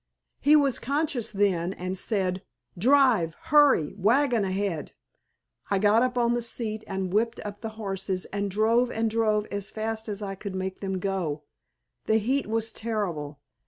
He was conscious then, and said, 'Drive—hurry—wagon ahead!' I got up on the seat and whipped up the horses and drove and drove as fast as I could make them go. The heat was terrible.